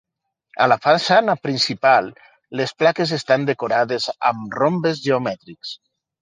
A la façana principal, les plaques estan decorades amb rombes geomètrics.